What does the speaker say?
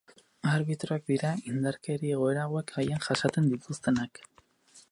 Arbitroak dira indarkeri egoera hauek gehien jasaten dituztenak.